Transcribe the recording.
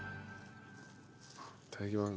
いただきます。